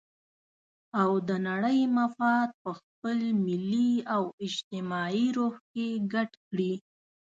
او د نړۍ مفاد په خپل ملي او اجتماعي روح کې ګډ کړي.